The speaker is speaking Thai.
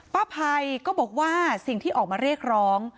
ภัยก็บอกว่าสิ่งที่ออกมาเรียกร้อง